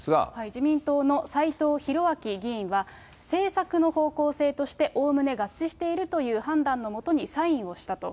自民党の斎藤洋明議員は、政策の方向性としておおむね合致しているという判断の下にサインをしたと。